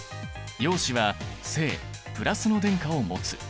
陽子は正＋の電荷を持つ。